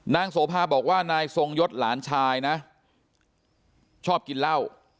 โสภาบอกว่านายทรงยศหลานชายนะชอบกินเหล้า